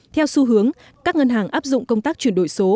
theo xu hướng các ngân hàng áp dụng công tác chuyển đổi số